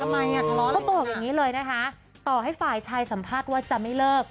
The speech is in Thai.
เขาบอกอย่างนี้เลยนะคะต่อให้ฝ่ายชายสัมภาษณ์ว่าจะไม่เลิก